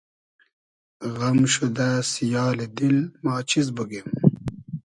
غئم شودۂ سیالی دیل ما چیز بوگیم